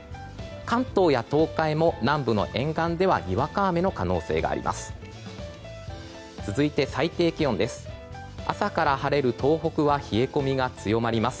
関東や東海も南部の沿岸ではにわか雨の可能性があります。